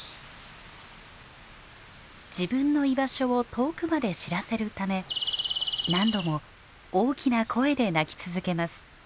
自分の居場所を遠くまで知らせるため何度も大きな声で鳴き続けます。